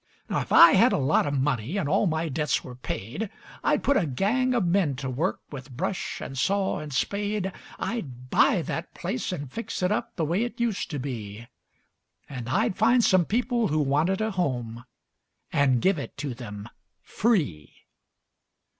If I had a lot of money and all my debts were paid I'd put a gang of men to work with brush and saw and spade. I'd buy that place and fix it up the way it used to be And I'd find some people who wanted a home and give it to them free.